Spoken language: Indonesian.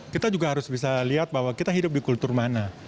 kita juga harus bisa lihat bahwa kita hidup di kultur mana